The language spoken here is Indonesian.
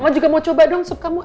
mau juga mau coba dong sup kamu